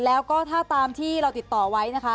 แล้วก็ถ้าตามที่เราติดต่อไว้นะคะ